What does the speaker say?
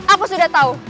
aku sudah tahu